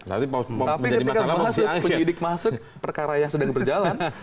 tapi ketika masuk penyidik masuk perkara yang sedang berjalan